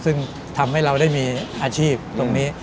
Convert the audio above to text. ซึ่งทำให้เราได้มีอาชีพตรงนี้